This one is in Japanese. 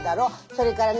それからね